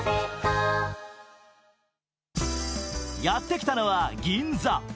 やって来たのは銀座。